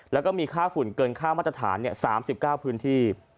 แล้วก็มีค่าฝุ่นเกินค่ามาตรฐาน๓๙พื้นที่